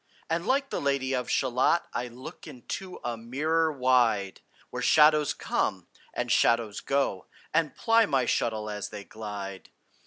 And like the Lady of Shalott I look into a mirror wide, Where shadows come, and shadows go, And ply my shuttle as they glide.